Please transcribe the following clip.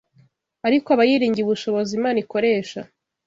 ariko aba yiringiye ubushobozi Imana ikoresha